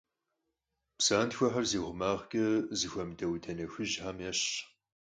Псантхуэхэр зи гъумагъкӀэ зэхуэмыдэ Ӏуданэ хужьхэм ещхьщ.